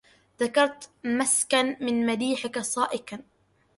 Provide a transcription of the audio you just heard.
أذكرت مسكا من مديحك صائكا